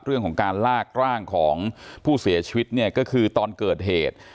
เรื่องของการลากร่างของผู้เสียชีวิตเนี่ยก็คือตอนเกิดเหตุ